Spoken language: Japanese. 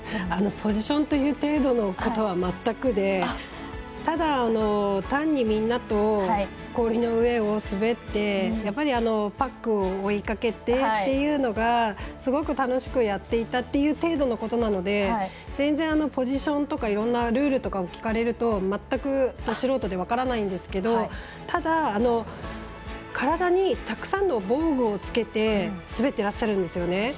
ポジションという程度のことは全くで、ただ単にみんなと氷の上を滑ってやっぱり、パックを追いかけてっていうのがすごく楽しくやっていたっていう程度のことなので全然ポジションとかいろんなルールとかを聞かれると全く、ど素人で分からないんですけどただ、体にたくさんの防具をつけて滑っていらっしゃるんですよね。